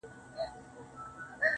د خپل جېبه د سگريټو يوه نوې قطۍ وا کړه,